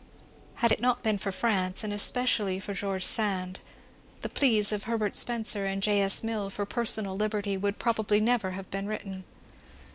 Had it not been for France, and especially for G^rge Sand, the pleas of Herbert Spencer and J. S. Mill for personal liberty would probably never have been written.